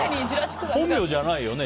本名じゃないよね？